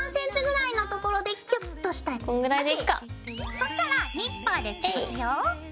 そしたらニッパーでつぶすよ。